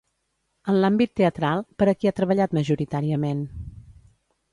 En l'àmbit teatral, per a qui ha treballat majoritàriament?